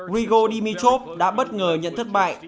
rigo dimitrov đã bất ngờ nhận thất bại